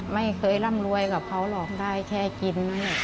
ไม่เคยร่ำรวยกับเขาหรอกได้แค่กิน